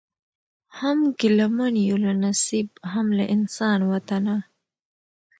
هم ګیله من یو له نصیب هم له انسان وطنه